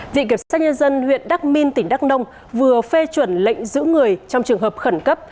viện kiểm soát nhân dân huyện đắc minh tỉnh đắk nông vừa phê chuẩn lệnh giữ người trong trường hợp khẩn cấp